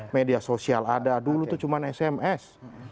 media sosial ada dulu itu cuma sms